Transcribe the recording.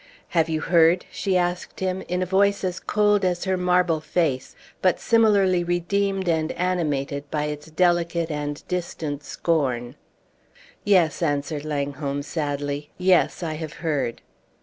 "Have you heard?" she asked him, in a voice as cold as her marble face, but similarly redeemed and animated by its delicate and distant scorn. "Yes," answered Langholm, sadly; "yes, I have heard."